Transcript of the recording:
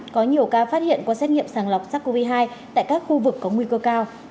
có nhiều ca phát hiện qua xét nghiệm sàng lọc sars cov hai tại các khu vực có nguy cơ cao